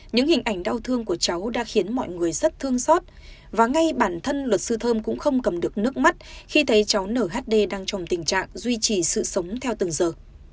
những hình ảnh đau thương của cháu đã khiến mọi người rất thương xót và ngay bản thân luật sư thơm cũng không cầm được nước mắt khi thấy cháu nhd đang trong tình trạng duy trì sự sống theo từng giờ